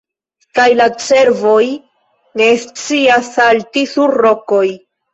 Kaj la cervoj ne scias salti sur rokoj.